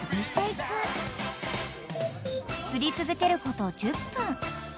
［すり続けること１０分］